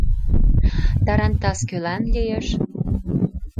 Тарантас кӧлан лиеш?